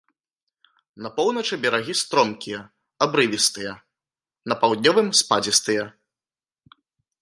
На поўначы берагі стромкія, абрывістыя, на паўднёвым спадзістыя.